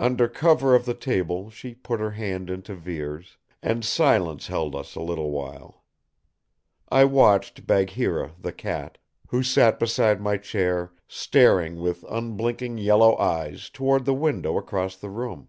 Under cover of the table she put her hand into Vere's, and silence held us a little while. I watched Bagheera the cat, who sat beside my chair staring with unblinking yellow eyes toward the window across the room.